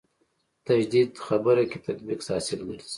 تجدید خبره کې تطبیق حاصل ګرځي.